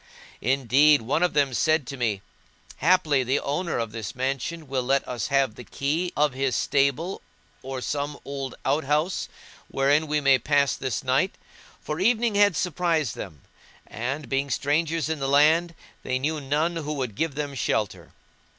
Indeed one of them said to me:—Haply the owner of this mansion will let us have the key of his stable or some old out house wherein we may pass this night; for evening had surprised them and, being strangers in the land, they knew none who would give them shelter.